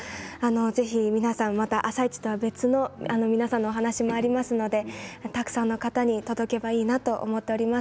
ぜひ皆さん、また「あさイチ」とは別の皆さんの話もありますのでたくさんの方に届けばいいなと思っております。